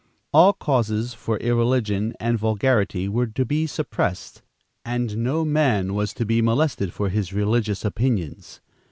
All causes for irreligion and vulgarity were to be suppressed, and no man was to be molested for his religious opinions.